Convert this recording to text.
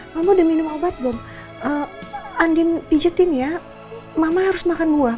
mama udah minum obat belum andin izin ya mama harus makan buah